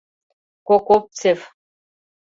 — Коковцев.